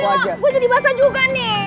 iya gue jadi basah juga nih